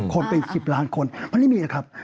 คนเป็น๑๐ล้านคนมันไม่มีนะครับ